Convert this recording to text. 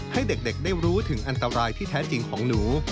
ให้เด็กได้รู้ถึงอันตรายที่แท้จริงของหนู